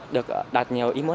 được đạt nhiều ý muốn